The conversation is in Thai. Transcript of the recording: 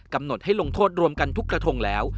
กำหนดให้ลงโทษรวมกันทุกกระทงแล้ว